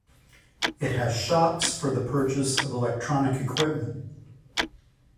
It has shops for the purchase of electronic equipment.